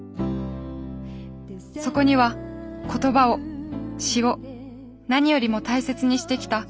そこには言葉を詞を何よりも大切にしてきた